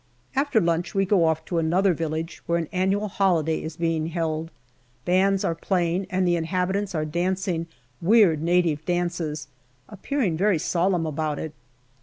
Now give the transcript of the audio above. After lunch we go off to another village, where an annual holiday is being held. Bands are playing and the inhabitants are dancing weird native dances, appearing very solemn about it.